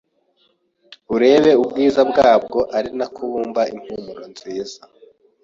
ureba ubwiza bwabwo ari na ko wumva impumuro nziza